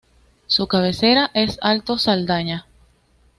Su cabecera es Alto Saldaña.